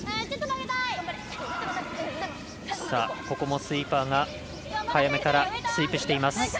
ここもスイーパーが早めからスイープしています。